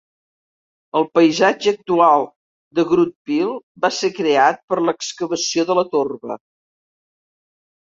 El paisatge actual de Groote Peel va ser creat per l'excavació de la torba.